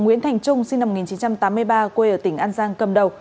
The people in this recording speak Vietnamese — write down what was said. nguyễn thành trung sinh năm một nghìn chín trăm tám mươi ba quê ở tỉnh an giang cầm đầu